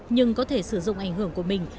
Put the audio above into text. nhưng có thể sử dụng ảnh hưởng của mình